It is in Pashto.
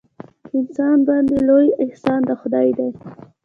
په انسان باندې لوی احسان د خدای دی.